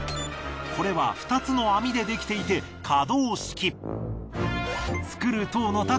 これは２つの網で出来ていて可動式。